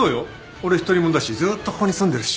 俺独り者だしずーっとここに住んでるし。